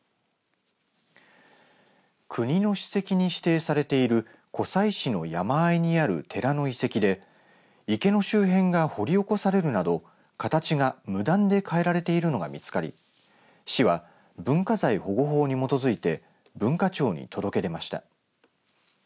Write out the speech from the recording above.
国の史跡に指定されている湖西市の山あいにある寺の遺跡で池の周辺が掘り起こされるなど形が無断で変えられているのが見つかり市は文化財保護法に基づいて文化庁に届け出ました。